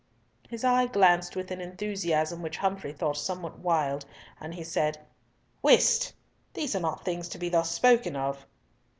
His eye glanced with an enthusiasm which Humfrey thought somewhat wild, and he said, "Whist! these are not things to be thus spoken of."